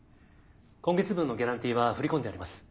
今月分のギャランティーは振り込んであります。